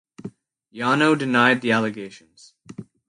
Yano denied the allegations.